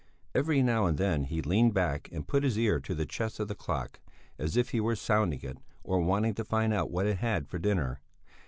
Every now and then he leaned back and put his ear to the chest of the clock, as if he were sounding it, or wanting to find out what it had had for dinner.